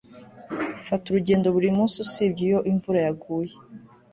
Mfata urugendo buri munsi usibye iyo imvura iguye